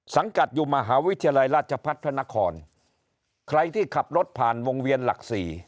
สังกัดอยู่มหาวิทยาลัยราชพัฒน์พระนครใครที่ขับรถผ่านวงเวียนหลักสี่